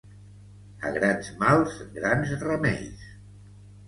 A grans mals, grans remeis.